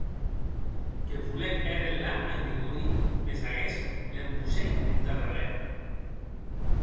Que volec hèr enlà a Grigori, mès aguest l'empossèc entà darrèr.